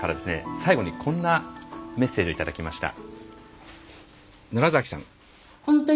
最後にこんなメッセージをいただきました。